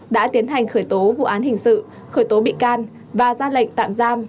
đã tiến hành khởi tố vụ án hình sự khởi tố bị can và ra lệnh tạm giam